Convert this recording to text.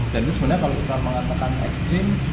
dan itu sebenarnya kalau kita mengatakan ekstrim